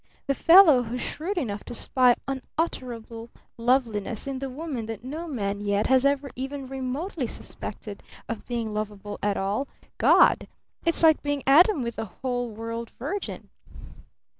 The fellow who's shrewd enough to spy unutterable lovableness in the woman that no man yet has ever even remotely suspected of being lovable at all God! It's like being Adam with the whole world virgin!"